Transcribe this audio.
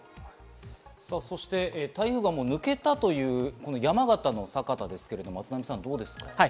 そして台風が抜けたという山形の酒田ですが、松並さん、どうですか？